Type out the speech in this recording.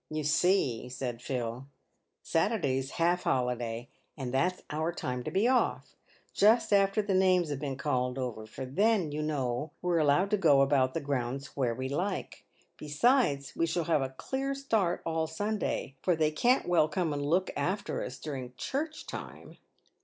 " You see," said Phil, " Saturday's half holiday, and that's our time to be off, just after the names have been called over, for then, you know, we're allowed to go about the grounds where we like. Besides, we shall have a clear start all Sunday, for they can't well come.and look after us during church time."